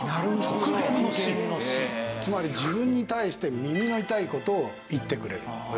つまり自分に対して耳の痛い事を言ってくれる。